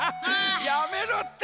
やめろって！